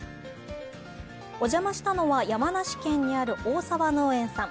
お邪魔したのは山梨県にある大沢農園さん。